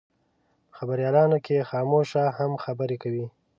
په خبریالانو کې خاموشه هم خبرې کوي.